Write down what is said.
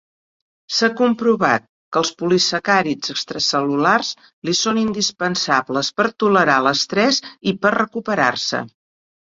S'ha comprovat que els polisacàrids extracel·lulars li són indispensables per tolerar l'estrès i per recuperar-se.